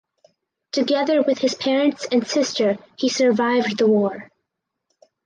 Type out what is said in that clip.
Together with his parents and sister he survived the war.